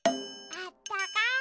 あったかい。